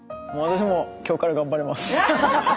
私も今日から頑張ります。